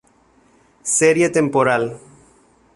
Serie temporal